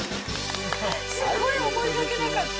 すごい思いがけなかった。